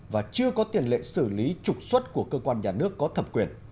và chưa có tiền lệ xử lý trục xuất của cơ quan nhà nước có thẩm quyền